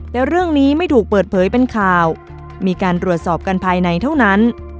และเรื่องนี้ไม่ถูกเปิดเผยเป็นข่าวมีการรวดสอบกันภายในเท่านั้น